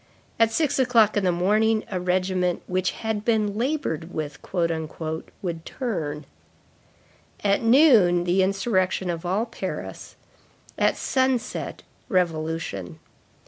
At six o'clock in the morning a regiment "which had been labored with," would turn; at noon, the insurrection of all Paris; at sunset, revolution.